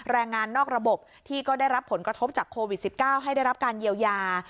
แรงงานนอกระบบที่ก็ได้รับผลกระทบจากโควิด๑๙ให้ได้รับการเยียวยา